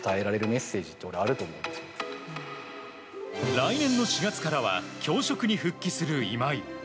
来年の４月からは教職に復帰する今井。